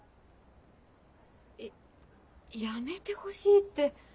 えっ辞めてほしいって。